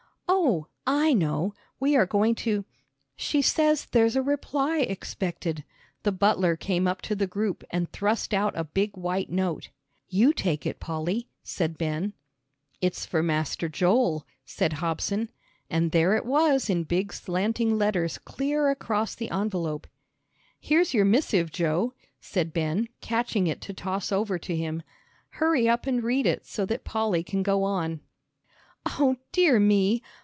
Oh, I know, we are going to " "She says there's a reply expected." The butler came up to the group and thrust out a big white note. "You take it, Polly," said Ben. "It's for Master Joel," said Hobson. And there it was in big, slanting letters clear across the envelope. "Here's your missive, Joe," said Ben, catching it to toss it over to him. "Hurry up and read it so that Polly can go on." "O dear me!